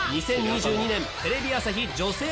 ２０２２年テレビ朝日女性